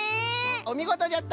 おみごとじゃった！